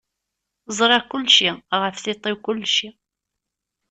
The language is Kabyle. Ẓriɣ kullci, ɣef tiṭ-iw kullci.